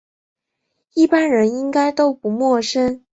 一般人应该都不陌生